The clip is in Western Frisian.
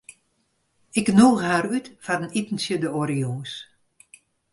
Ik nûge har út foar in itentsje de oare jûns.